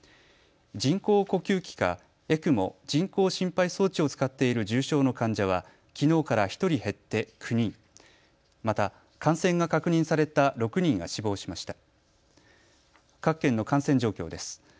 人工呼吸器かＥＣＭＯ・人工心肺装置を使っている重症の患者はきのうから１人減って９人、また感染が確認された６人が死亡しました。